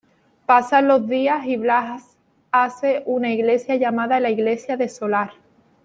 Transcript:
Pasan los días y Blas hace una Iglesia llamada La Iglesia de Solar.